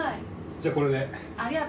じゃあこれで。